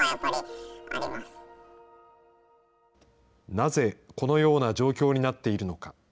なぜ、このような状況になっているのか。